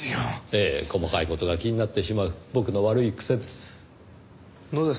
ええ細かい事が気になってしまう僕の悪い癖です。